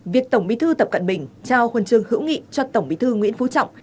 việc tổng bí thư tập cận bình trao huần trường hữu nghị cho tổng bí thư nguyễn phú trọng